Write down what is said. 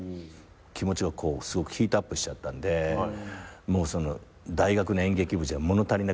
気持ちがすごくヒートアップしちゃったんで大学の演劇部じゃ物足りなくなってくるっていうか。